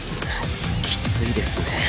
きついですね。